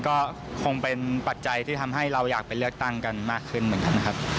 ก็คงเป็นปัจจัยที่ทำให้เราอยากไปเลือกตั้งกันมากขึ้นเหมือนกันนะครับ